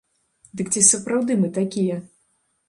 Дык ці сапраўды мы такія?